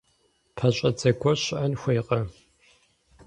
ПэщӀэдзэ гуэр щыӀэн хуейкъэ?